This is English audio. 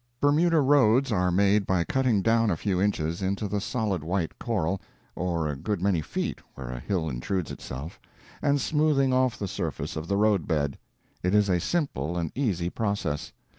Bermuda roads are made by cutting down a few inches into the solid white coral or a good many feet, where a hill intrudes itself and smoothing off the surface of the road bed. It is a simple and easy process.